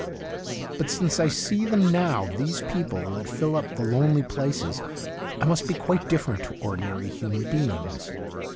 But since I see them now — these people that fill up the lonely places — I must be quite different to ordinary human beings.